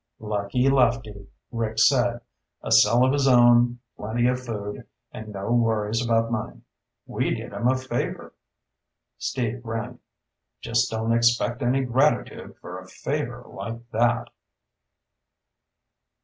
"Lucky Lefty," Rick said. "A cell of his own, plenty of food, and no worries about money. We did him a favor." Steve grinned. "Just don't expect any gratitude for a favor like that!"